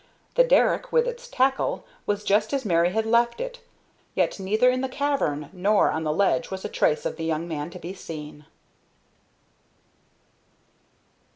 The derrick, with its tackle, was just as Mary had left it, yet neither in the cavern nor on the ledge was a trace of the young man to be seen.